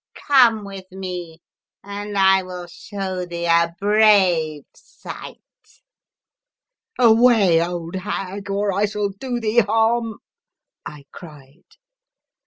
Come with me and I will show thee a brave sight." *' Away old hag, or I shall do thee harm!" I cried.